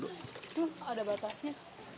tuh ada batasnya